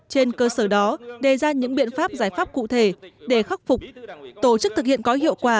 trên cơ sở đó đề ra những biện pháp giải pháp cụ thể để khắc phục tổ chức thực hiện có hiệu quả